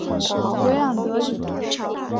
维朗德里。